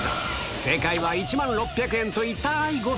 正解は１万６００円と痛ーい誤差。